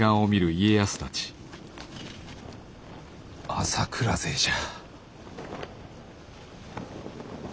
朝倉勢じゃ。